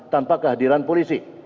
tanpa kehadiran polisi